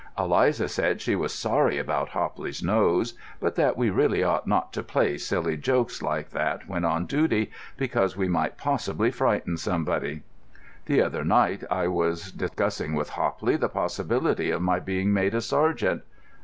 Eliza said she was sorry about Hopley's nose, but that we really ought not to play silly jokes like that when on duty, because we might possibly frighten somebody. The other night I was discussing with Hopley the possibility of my being made a sergeant.